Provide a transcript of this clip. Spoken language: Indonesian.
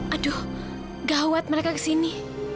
aduh gawat mereka kesini